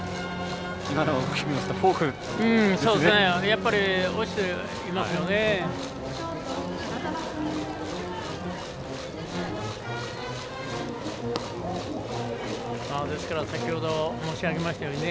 やっぱり、落ちていますね。